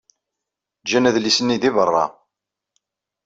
Ǧǧan adlis-nni deg beṛṛa.